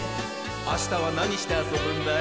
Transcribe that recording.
あしたはなにしてあそぶんだい？